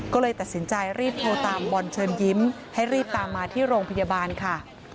ก็เลยตัดสินใจรีบโทรตามบอลเชิญยิ้มให้รีบตามมาที่โรงพยาบาลค่ะ